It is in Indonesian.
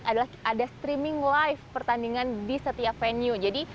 adalah ada streaming live pertandingan di setiap venue